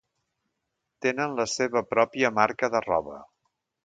Tenen la seva pròpia marca de roba.